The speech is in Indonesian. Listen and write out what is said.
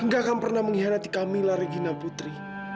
gak akan pernah mengkhianati kamila regina putri